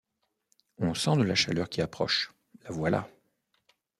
On sent de la chaleur qui approche, la voilà.